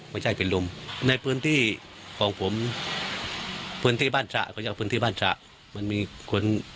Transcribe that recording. ไม่ใช่เป็นลุมในพื้นที่ของผมพื้นที่แบนหยรติพื้นที่แบนไม่มีคน